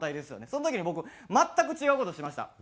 その時に僕全く違う事しました。